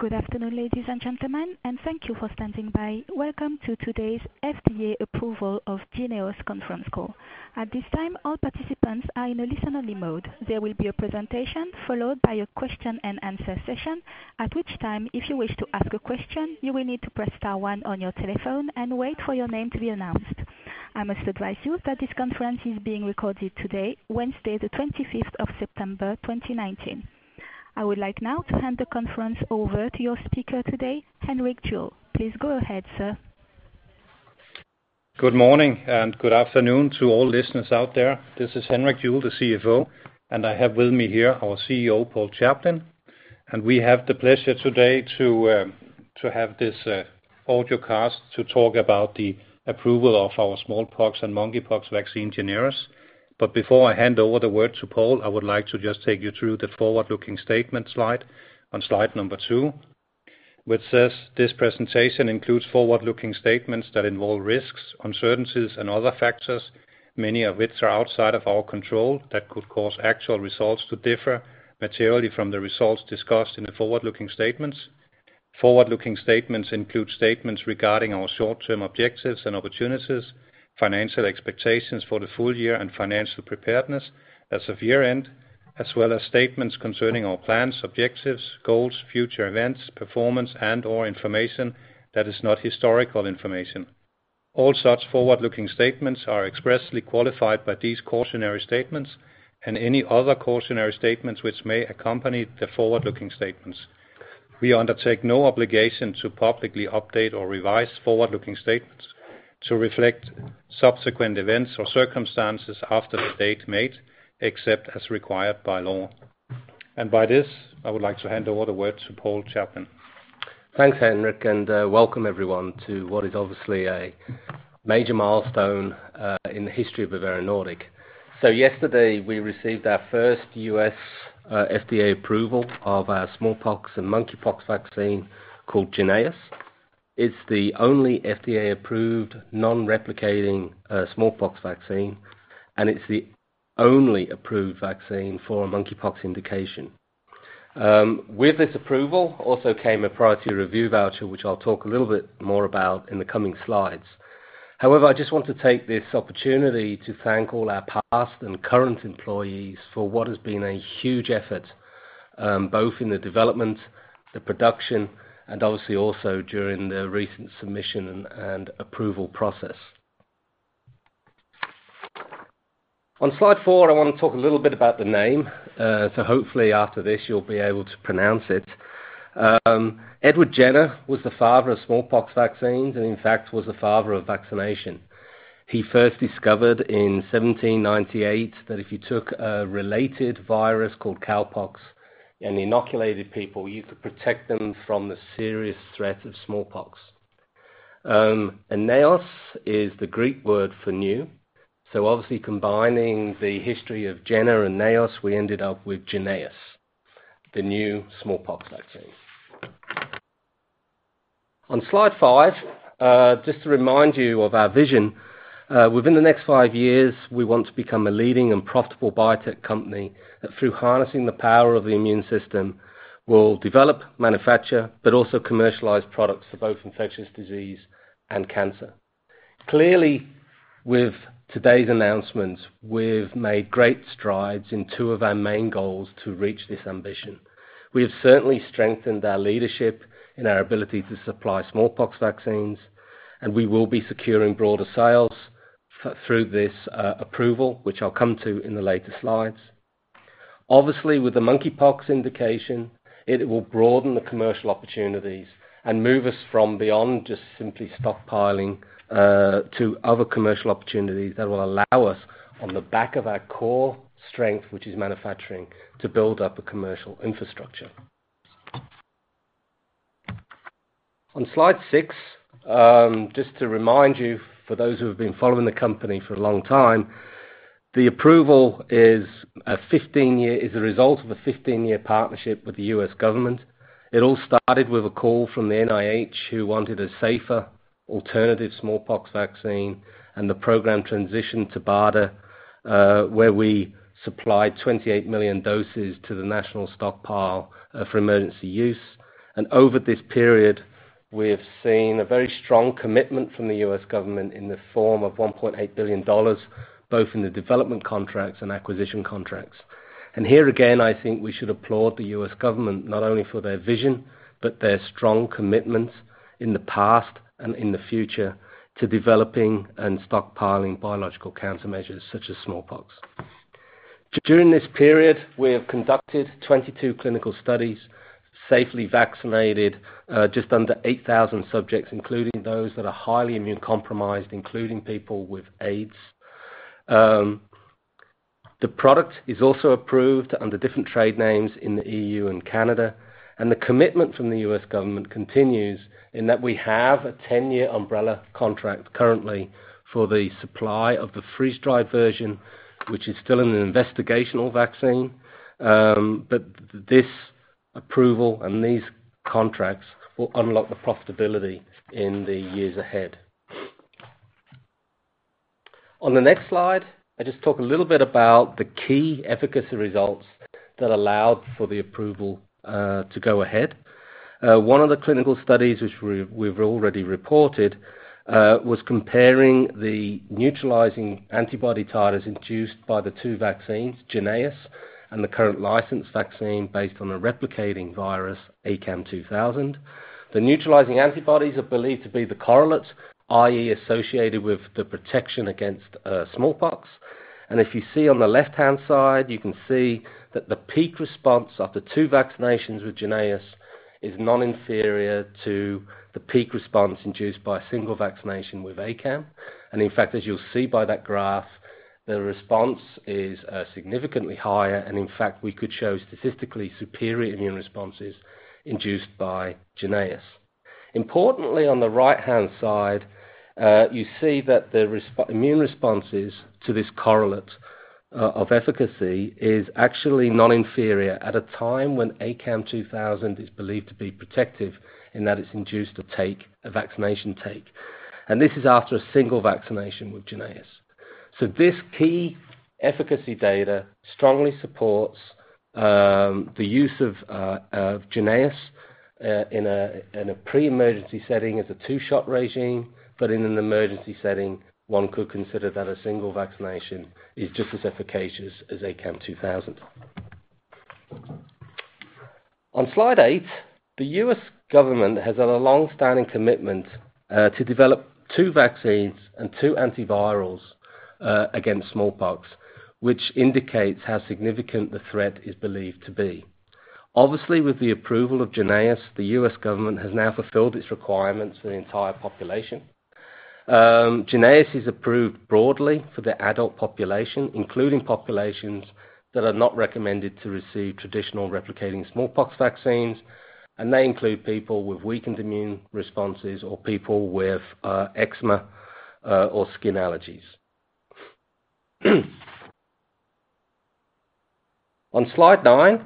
Good afternoon, ladies and gentlemen, and thank you for standing by. Welcome to today's FDA approval of JYNNEOS conference call. At this time, all participants are in a listen-only mode. There will be a presentation followed by a question-and-answer session, at which time, if you wish to ask a question, you will need to press star one on your telephone and wait for your name to be announced. I must advise you that this conference is being recorded today, Wednesday, the 25th of September, 2019. I would like now to hand the conference over to your speaker today, Henrik Juul. Please go ahead, sir. Good morning and good afternoon to all listeners out there. This is Henrik Juul, the CFO, and I have with me here our CEO, Paul Chaplin. We have the pleasure today to have this podcast to talk about the approval of our smallpox and monkeypox vaccine, JYNNEOS. Before I hand over the word to Paul, I would like to just take you through the forward-looking statement slide on slide number two, which says, "This presentation includes forward-looking statements that involve risks, uncertainties, and other factors, many of which are outside of our control, that could cause actual results to differ materially from the results discussed in the forward-looking statements. Forward-looking statements include statements regarding our short-term objectives and opportunities, financial expectations for the full year, and financial preparedness as of year-end, as well as statements concerning our plans, objectives, goals, future events, performance, and/or information that is not historical information. All such forward-looking statements are expressly qualified by these cautionary statements and any other cautionary statements which may accompany the forward-looking statements. We undertake no obligation to publicly update or revise forward-looking statements to reflect subsequent events or circumstances after the date made, except as required by law. By this, I would like to hand over the word to Paul Chaplin. Thanks, Henrik, and welcome everyone to what is obviously a major milestone in the history of Bavarian Nordic. Yesterday, we received our first U.S. FDA approval of our smallpox and monkeypox vaccine called JYNNEOS. It's the only FDA-approved, non-replicating smallpox vaccine, and it's the only approved vaccine for a monkeypox indication. With this approval also came a priority review voucher, which I'll talk a little bit more about in the coming slides. However, I just want to take this opportunity to thank all our past and current employees for what has been a huge effort, both in the development, the production, and obviously also during the recent submission and approval process. On slide four, I want to talk a little bit about the name. Hopefully after this, you'll be able to pronounce it. Edward Jenner was the father of smallpox vaccines and in fact, was the father of vaccination. He first discovered in 1798 that if you took a related virus called cowpox and inoculated people, you could protect them from the serious threat of smallpox. Neos is the Greek word for new. Obviously combining the history of Jenner and Neos, we ended up with JYNNEOS, the new smallpox vaccine. On slide five, just to remind you of our vision, within the next five years, we want to become a leading and profitable biotech company. That through harnessing the power of the immune system, we'll develop, manufacture, but also commercialize products for both infectious disease and cancer. Clearly, with today's announcements, we've made great strides in two of our main goals to reach this ambition. We have certainly strengthened our leadership and our ability to supply smallpox vaccines, and we will be securing broader sales through this approval, which I'll come to in the later slides. Obviously, with the monkeypox indication, it will broaden the commercial opportunities and move us from beyond just simply stockpiling to other commercial opportunities that will allow us, on the back of our core strength, which is manufacturing, to build up a commercial infrastructure. On slide six, just to remind you, for those who have been following the company for a long time, the approval is a result of a 15-year partnership with the U.S. government. It all started with a call from the NIH, who wanted a safer alternative smallpox vaccine, and the program transitioned to BARDA, where we supplied 28 million doses to the national stockpile for emergency use. Over this period, we have seen a very strong commitment from the U.S. government in the form of $1.8 billion, both in the development contracts and acquisition contracts. Here again, I think we should applaud the U.S. government not only for their vision, but their strong commitments in the past and in the future to developing and stockpiling biological countermeasures, such as smallpox. During this period, we have conducted 22 clinical studies, safely vaccinated just under 8,000 subjects, including those that are highly immune-compromised, including people with AIDS. The product is also approved under different trade names in the EU and Canada, and the commitment from the U.S. government continues in that we have a 10-year umbrella contract currently for the supply of the freeze-dried version, which is still an investigational vaccine. This approval and these contracts will unlock the profitability in the years ahead. On the next slide, I just talk a little bit about the key efficacy results that allowed for the approval to go ahead. One of the clinical studies, which we've already reported, was comparing the neutralizing antibody titers induced by the two vaccines, JYNNEOS and the current licensed vaccine based on a replicating virus, ACAM2000. The neutralizing antibodies are believed to be the correlates, i.e., associated with the protection against smallpox. If you see on the left-hand side, you can see that the peak response after two vaccinations with JYNNEOS is non-inferior to the peak response induced by a single vaccination with ACAM. In fact, as you'll see by that graph, the response is significantly higher, and in fact, we could show statistically superior immune responses induced by JYNNEOS. Importantly, on the right-hand side, you see that the immune responses to this correlate of efficacy is actually non-inferior at a time when ACAM2000 is believed to be protective, and that it's induced a take, a vaccination take. This is after a single vaccination with JYNNEOS. This key efficacy data strongly supports the use of JYNNEOS in a pre-emergency setting as a two-shot regime, but in an emergency setting, one could consider that a single vaccination is just as efficacious as ACAM2000. On slide eight, the U.S. government has had a long-standing commitment to develop two vaccines and two antivirals against smallpox, which indicates how significant the threat is believed to be. Obviously, with the approval of JYNNEOS, the U.S. government has now fulfilled its requirements for the entire population. JYNNEOS is approved broadly for the adult population, including populations that are not recommended to receive traditional replicating smallpox vaccines, and they include people with weakened immune responses or people with eczema or skin allergies. On slide nine,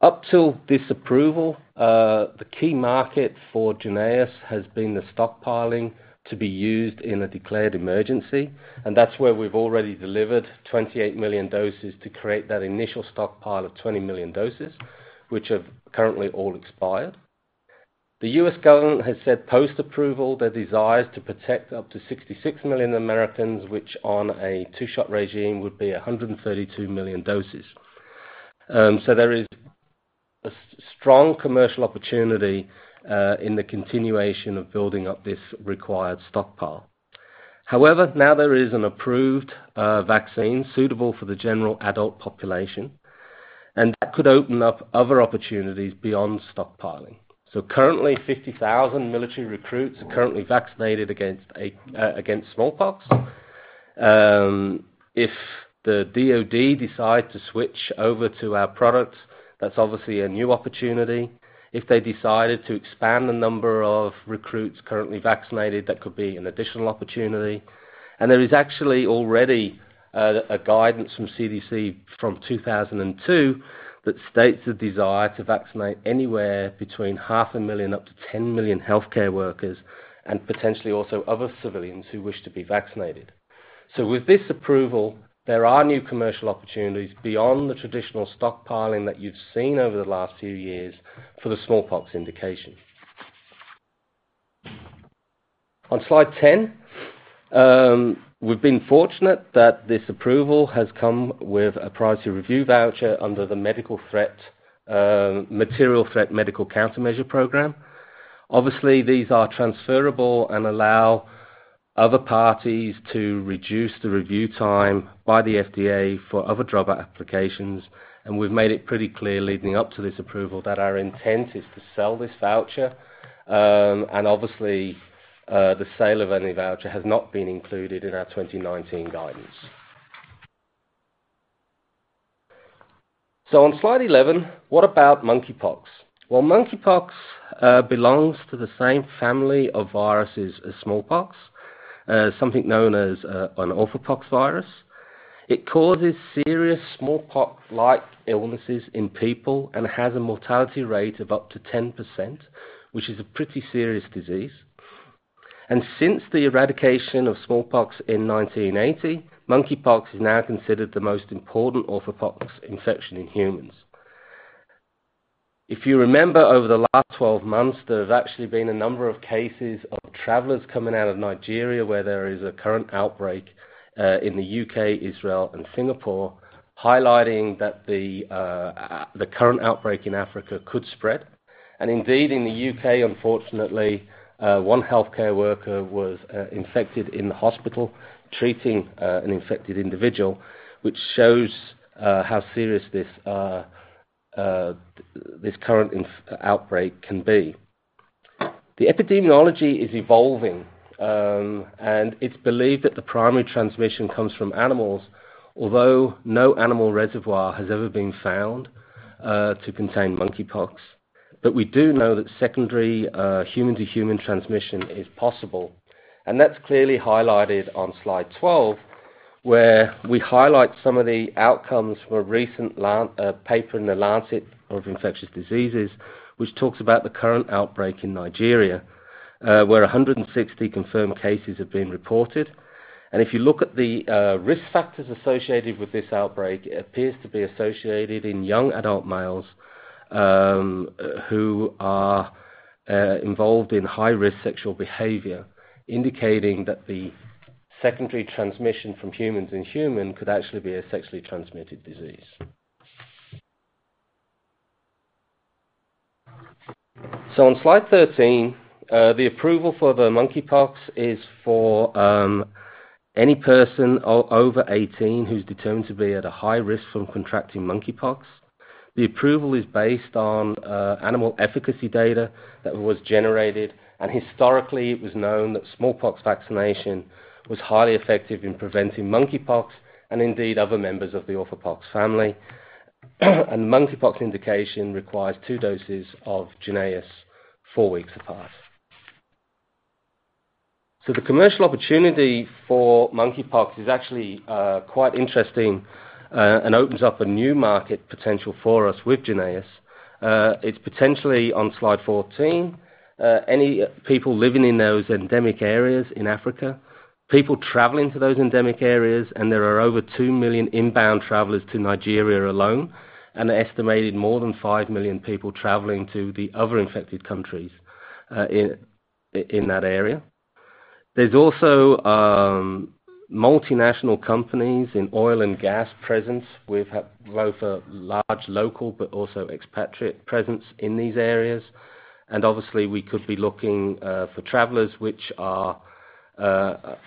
up till this approval, the key market for JYNNEOS has been the stockpiling to be used in a declared emergency, and that's where we've already delivered 28 million doses to create that initial stockpile of 20 million doses, which have currently all expired. The U.S. government has said, post-approval, their desire is to protect up to 66 million Americans, which on a two-shot regime, would be 132 million doses. There is a strong commercial opportunity in the continuation of building up this required stockpile. However, now there is an approved vaccine suitable for the general adult population, and that could open up other opportunities beyond stockpiling. Currently, 50,000 military recruits are currently vaccinated against smallpox. If the DoD decides to switch over to our product, that's obviously a new opportunity. If they decided to expand the number of recruits currently vaccinated, that could be an additional opportunity. There is actually already, a guidance from CDC from 2002, that states the desire to vaccinate anywhere between half a million up to 10 million healthcare workers and potentially also other civilians who wish to be vaccinated. With this approval, there are new commercial opportunities beyond the traditional stockpiling that you've seen over the last few years for the smallpox indication. On slide 10, we've been fortunate that this approval has come with a priority review voucher under the Material Threat Medical Countermeasure program. Obviously, these are transferable and allow other parties to reduce the review time by the FDA for other drug applications. We've made it pretty clear leading up to this approval, that our intent is to sell this voucher. Obviously, the sale of any voucher has not been included in our 2019 guidance. On slide 11, what about monkeypox? Well, monkeypox belongs to the same family of viruses as smallpox, something known as an orthopoxvirus. It causes serious smallpox-like illnesses in people and has a mortality rate of up to 10%, which is a pretty serious disease. Since the eradication of smallpox in 1980, monkeypox is now considered the most important orthopoxvirus infection in humans. If you remember, over the last 12 months, there have actually been a number of cases of travelers coming out of Nigeria, where there is a current outbreak, in the U.K., Israel, and Singapore, highlighting that the current outbreak in Africa could spread. Indeed, in the U.K., unfortunately, one healthcare worker was infected in the hospital, treating an infected individual, which shows how serious this current outbreak can be. The epidemiology is evolving, and it's believed that the primary transmission comes from animals, although no animal reservoir has ever been found to contain monkeypox. We do know that secondary human-to-human transmission is possible, and that's clearly highlighted on slide 12, where we highlight some of the outcomes from a recent paper in The Lancet Infectious Diseases, which talks about the current outbreak in Nigeria, where 160 confirmed cases have been reported. If you look at the risk factors associated with this outbreak, it appears to be associated in young adult males, who are involved in high-risk sexual behavior, indicating that the secondary transmission from humans and human could actually be a sexually transmitted disease. On slide 13, the approval for the monkeypox is for any person over 18 who's determined to be at a high risk from contracting monkeypox. The approval is based on animal efficacy data that was generated, and historically it was known that smallpox vaccination was highly effective in preventing monkeypox and indeed other members of the orthopox family. Monkeypox indication requires two doses of JYNNEOS, four weeks apart. The commercial opportunity for monkeypox is actually quite interesting and opens up a new market potential for us with JYNNEOS. It's potentially on slide 14, any people living in those endemic areas in Africa, people traveling to those endemic areas, and there are over 2 million inbound travelers to Nigeria alone, and an estimated more than 5 million people traveling to the other infected countries in that area. There's also multinational companies in oil and gas presence. We've had both a large local but also expatriate presence in these areas, and obviously, we could be looking for travelers which are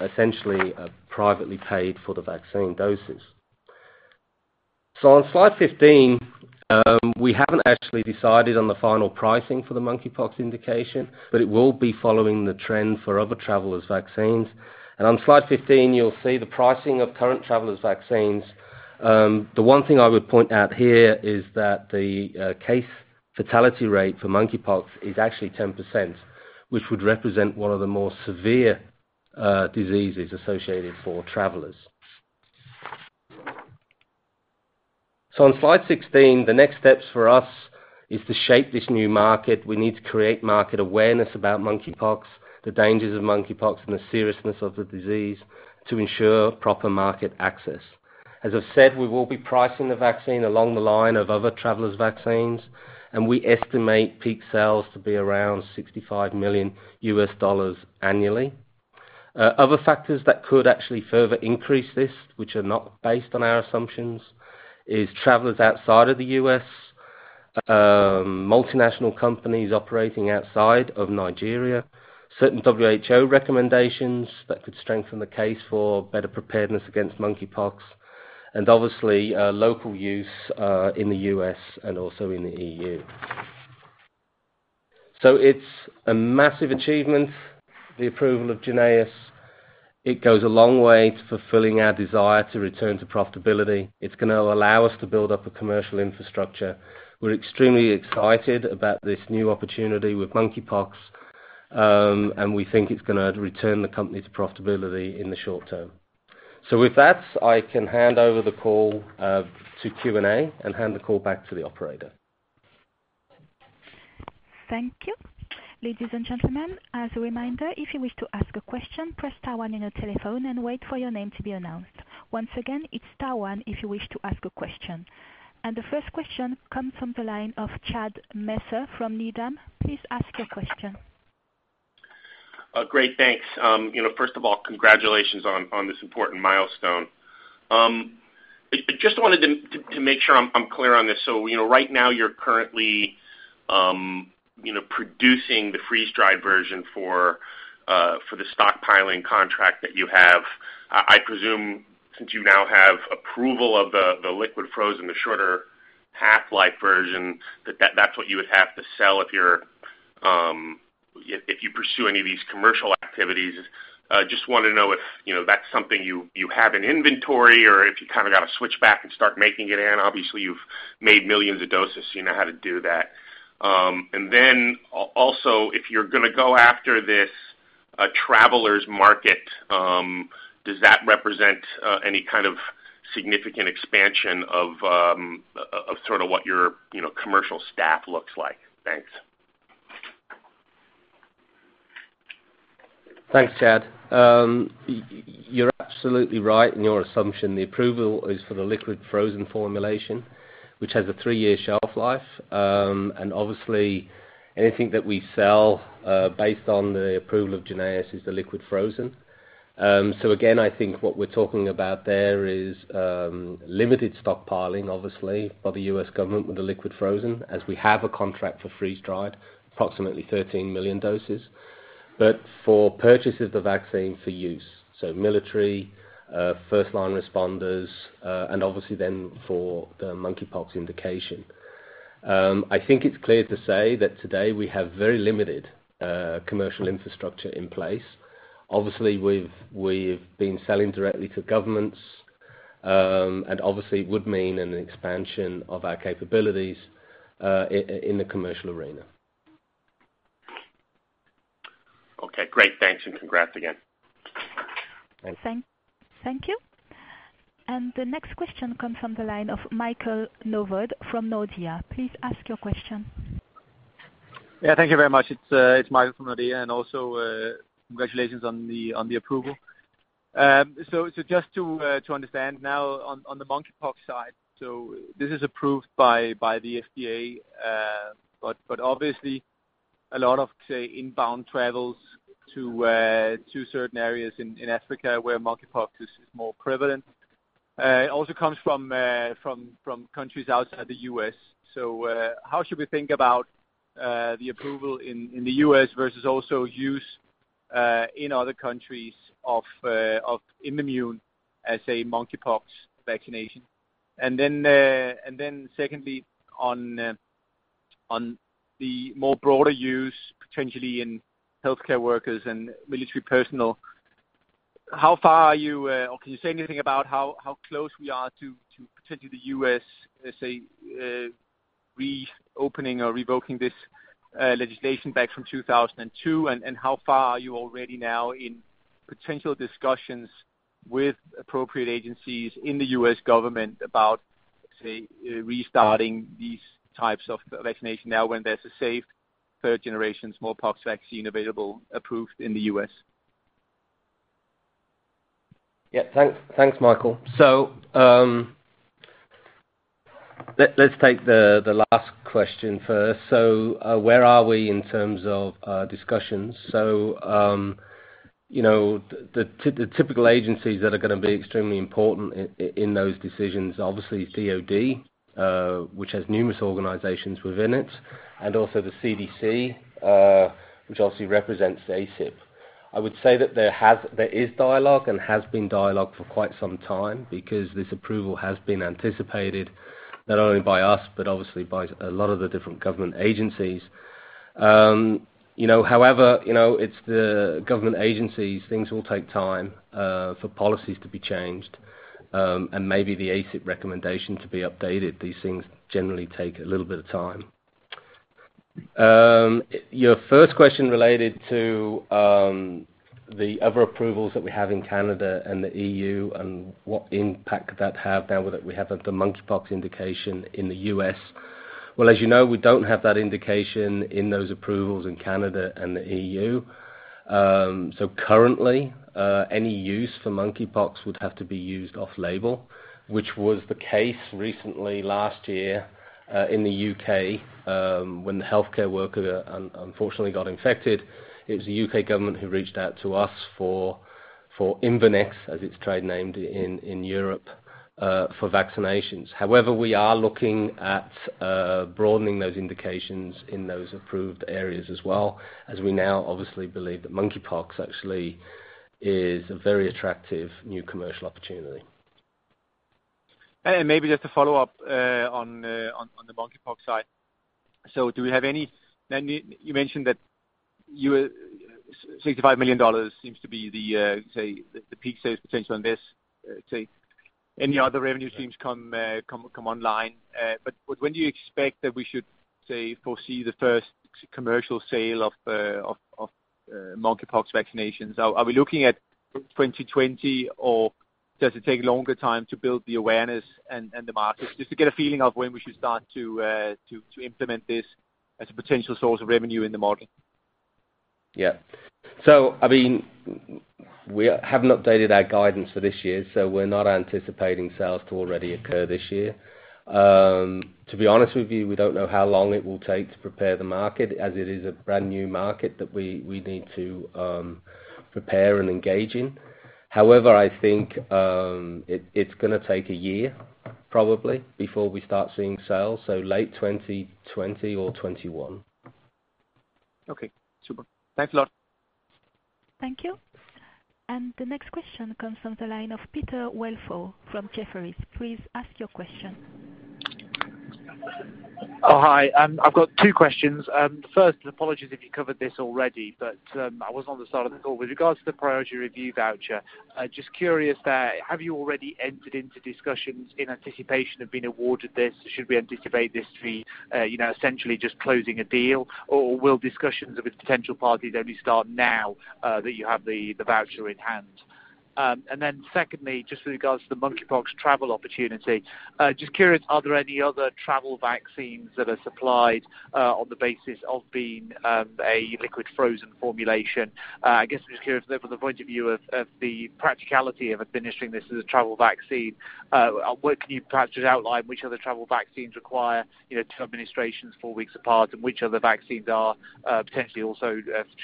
essentially privately paid for the vaccine doses. On slide 15, we haven't actually decided on the final pricing for the monkeypox indication, but it will be following the trend for other travelers' vaccines. On slide 15, you'll see the pricing of current travelers' vaccines. The one thing I would point out here is that the case fatality rate for monkeypox is actually 10%, which would represent one of the more severe diseases associated for travelers. On slide 16, the next steps for us is to shape this new market. We need to create market awareness about monkeypox, the dangers of monkeypox, and the seriousness of the disease to ensure proper market access. As I've said, we will be pricing the vaccine along the line of other travelers' vaccines, and we estimate peak sales to be around $65 million annually. Other factors that could actually further increase this, which are not based on our assumptions, is travelers outside of the U.S., multinational companies operating outside of Nigeria, certain WHO recommendations that could strengthen the case for better preparedness against monkeypox, and obviously, local use, in the U.S. and also in the EU. It's a massive achievement, the approval of JYNNEOS. It goes a long way to fulfilling our desire to return to profitability. It's gonna allow us to build up a commercial infrastructure. We're extremely excited about this new opportunity with monkeypox, and we think it's gonna return the company to profitability in the short term. With that, I can hand over the call to Q&A and hand the call back to the operator. Thank you. Ladies and gentlemen, as a reminder, if you wish to ask a question, press star one on your telephone and wait for your name to be announced. Once again, it's star one if you wish to ask a question. The first question comes from the line of Chad Messer from Needham. Please ask your question. Great, thanks. You know, first of all, congratulations on this important milestone. I just wanted to make sure I'm clear on this. You know, right now you're currently, you know, producing the freeze-dried version for the stockpiling contract that you have. I presume, since you now have approval of the liquid-frozen, the shorter half-life version, that that's what you would have to sell if you're, if you pursue any of these commercial activities. Just want to know if, you know, that's something you have in inventory or if you kinda gotta switch back and start making it in. Obviously, you've made millions of doses, you know how to do that. Also, if you're gonna go after this, travelers market, does that represent any kind of significant expansion of sort of what your, you know, commercial staff looks like? Thanks. Thanks, Chad. You're absolutely right in your assumption. The approval is for the liquid-frozen formulation, which has a three-year shelf life. Obviously, anything that we sell, based on the approval of JYNNEOS is the liquid-frozen. Again, I think what we're talking about there is limited stockpiling, obviously, by the U.S. government with the liquid-frozen, as we have a contract for freeze-dried, approximately 13 million doses, but for purchases of the vaccine for use, so military, first-line responders, and obviously then for the monkeypox indication. I think it's clear to say that today we have very limited commercial infrastructure in place. Obviously, we've been selling directly to governments, and obviously it would mean an expansion of our capabilities in the commercial arena. Okay, great. Thanks, and congrats again. Thanks. Thank you. The next question comes from the line of Michael Novod from Nordea. Please ask your question. Thank you very much. It's Michael from Nordea, congratulations on the approval. Just to understand now on the monkeypox side, this is approved by the FDA, but obviously, a lot of, say, inbound travels to certain areas in Africa, where monkeypox is more prevalent. It also comes from countries outside the U.S. How should we think about the approval in the U.S. versus also use in other countries of Imvamune as a monkeypox vaccination? Secondly, on the more broader use, potentially in healthcare workers and military personnel, how far are you, or can you say anything about how close we are to potentially the U.S., let's say, reopening or revoking this legislation back from 2002? How far are you already now in potential discussions with appropriate agencies in the U.S. government about, say, restarting these types of vaccination now, when there's a safe third-generation smallpox vaccine available, approved in the U.S.? Thanks, Michael. Let's take the last question first. Where are we in terms of discussions? You know, the typical agencies that are gonna be extremely important in those decisions, obviously, DoD, which has numerous organizations within it, and also the CDC, which obviously represents the ACIP. I would say that there is dialogue and has been dialogue for quite some time because this approval has been anticipated, not only by us, but obviously by a lot of the different government agencies. You know, however, you know, it's the government agencies, things will take time for policies to be changed, and maybe the ACIP recommendation to be updated. These things generally take a little bit of time. Your first question related to the other approvals that we have in Canada and the EU, and what impact could that have now that we have the monkeypox indication in the U.S. Well, as you know, we don't have that indication in those approvals in Canada and the EU. So currently, any use for monkeypox would have to be used off-label, which was the case recently, last year, in the U.K., when the healthcare worker unfortunately got infected. It was the U.K. government who reached out to us for Imvanex, as it's trade named in Europe, for vaccinations. However, we are looking at broadening those indications in those approved areas as well, as we now obviously believe that monkeypox actually is a very attractive new commercial opportunity. Maybe just to follow up on the monkeypox side. Do we have any? Now, you mentioned that $65 million seems to be the, say, the peak sales potential on this, say, any other revenue streams come online. When do you expect that we should, say, foresee the first commercial sale of monkeypox vaccinations? Are we looking at 2020, or does it take a longer time to build the awareness and the market? Just to get a feeling of when we should start to implement this as a potential source of revenue in the model. Yeah. I mean, we haven't updated our guidance for this year, so we're not anticipating sales to already occur this year. To be honest with you, we don't know how long it will take to prepare the market, as it is a brand-new market that we need to prepare and engage in. However, I think it's gonna take a year, probably, before we start seeing sales, so late 2020 or 2021. Okay. Super. Thanks a lot. Thank you. The next question comes from the line of Peter Welford from Jefferies. Please ask your question. Oh, hi. I've got two questions. First, apologies if you covered this already, I was on the side of the call. With regards to the priority review voucher, just curious, have you already entered into discussions in anticipation of being awarded this? Should we anticipate this to be, you know, essentially just closing a deal, or will discussions with potential parties only start now that you have the voucher in hand? Secondly, just with regards to the monkeypox travel opportunity, just curious, are there any other travel vaccines that are supplied on the basis of being a liquid-frozen formulation? I guess just curious there from the point of view of the practicality of administering this as a travel vaccine, what can you perhaps just outline, which of the travel vaccines require, you know, two administrations, four weeks apart? Which other vaccines are, potentially also,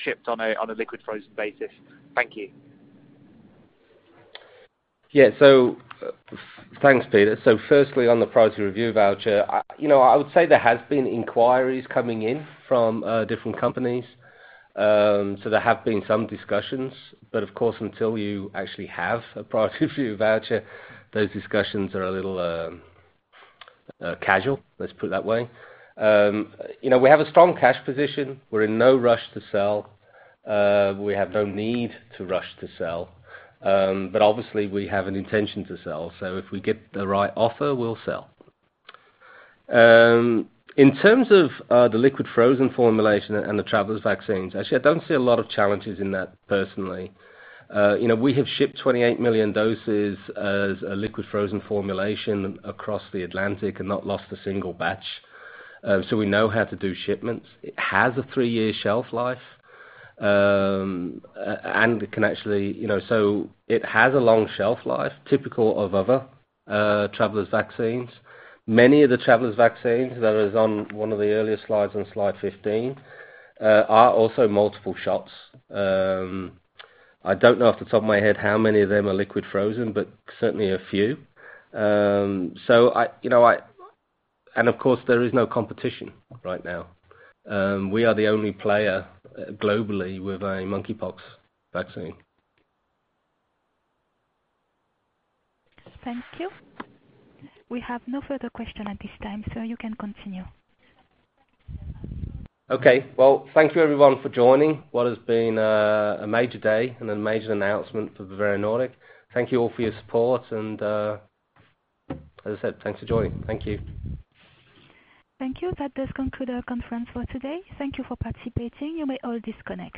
shipped on a, on a liquid-frozen basis? Thank you. Thanks, Peter. Firstly, on the priority review voucher, I, you know, I would say there has been inquiries coming in from different companies. There have been some discussions, but of course, until you actually have a priority review voucher, those discussions are a little casual. Let's put it that way. You know, we have a strong cash position. We're in no rush to sell. We have no need to rush to sell, obviously, we have an intention to sell. If we get the right offer, we'll sell. In terms of the liquid frozen formulation and the travelers vaccines, actually, I don't see a lot of challenges in that personally. You know, we have shipped 28 million doses as a liquid frozen formulation across the Atlantic and not lost a single batch. We know how to do shipments. It has a three-year shelf life, and it can actually, you know. It has a long shelf life, typical of other travelers' vaccines. Many of the travelers' vaccines that is on one of the earlier slides, on slide 15, are also multiple shots. I don't know off the top of my head how many of them are liquid frozen, but certainly a few. I, you know, and of course, there is no competition right now. We are the only player globally with a monkeypox vaccine. Thank you. We have no further question at this time, so you can continue. Okay. Well, thank you, everyone, for joining what has been a major day and a major announcement for Bavarian Nordic. Thank you all for your support, and, as I said, thanks for joining. Thank you. Thank you. That does conclude our conference for today. Thank you for participating. You may all disconnect.